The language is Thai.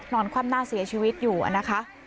คว่ำหน้าเสียชีวิตอยู่นะคะ